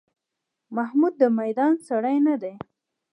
محمود د میدان سړی نه دی.